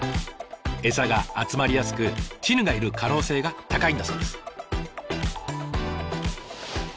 餌が集まりやすくチヌがいる可能性が高いんだそうです。